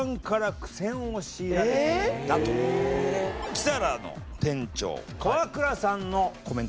キサラの店長川倉さんのコメントです。